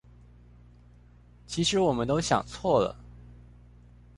其實我們都想錯了！